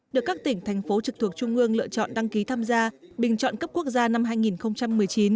được các tỉnh thành phố trực thuộc trung ương lựa chọn đăng ký tham gia bình chọn cấp quốc gia năm hai nghìn một mươi chín